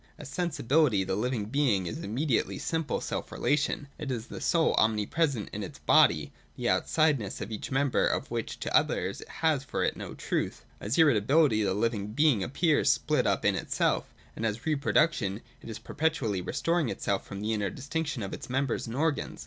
As Sensibility, the living being is immedi ately simple self relation — it is the soul omnipresent in its body, the outsideness of each member of which to others has for it no truth. As Irritability, the living being appears split up in itself; and as Reproduction, it is perpetually restoring itself from the inner distinction of its members and organs.